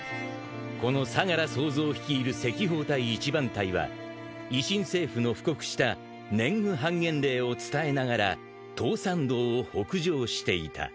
［この相楽総三率いる赤報隊一番隊は維新政府の布告した年貢半減令を伝えながら東山道を北上していた］